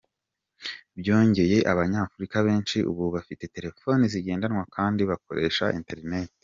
Byongeye, Abanyafurika benshi ubu bafite telefoni zigendanwa kandi bakoresha internet.